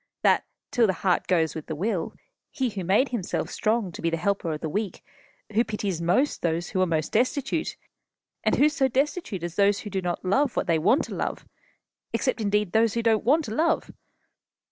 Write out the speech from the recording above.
that, till the heart goes with the will, he who made himself strong to be the helper of the weak, who pities most those who are most destitute and who so destitute as those who do not love what they want to love except, indeed, those who don't want to love?